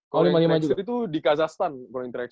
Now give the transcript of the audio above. kalau yang next year itu di kazakhstan kalau yang tiga x tiga